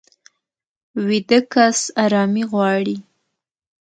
ویده کس ارامي غواړي